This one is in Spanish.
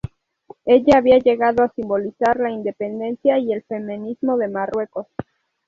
Ella había llegado a simbolizar la independencia y el feminismo de Marruecos.